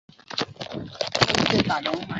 与国内及外国的学生讨论及结为笔友。